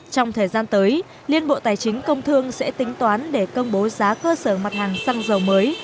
trong thời gian tới liên bộ tài chính công thương sẽ tính toán để công bố giá cơ sở mặt hàng xăng dầu mới